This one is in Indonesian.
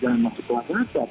jangan masuk ke luar nasab